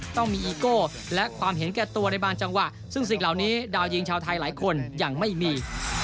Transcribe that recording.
ต้องมีอีโก้และความเห็นแก่ตัวในบางจังหวะซึ่งสิ่งเหล่านี้ดาวยิงชาวไทยหลายคนยังไม่มี